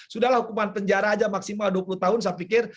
sudahlah hukuman penjara aja maksimal dua puluh tahun saya pikir